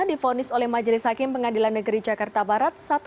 difonis oleh majelis hakim pengadilan negeri jakarta barat